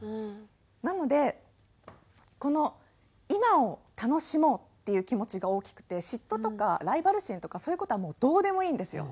なのでこの今を楽しもうっていう気持ちが大きくて嫉妬とかライバル心とかそういう事はもうどうでもいいんですよ。